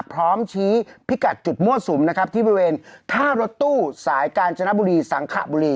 พร้อมชี้พิกัดจุดมั่วสุมนะครับที่บริเวณท่ารถตู้สายกาญจนบุรีสังขบุรี